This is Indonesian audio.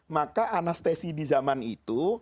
maka anestesi di zaman itu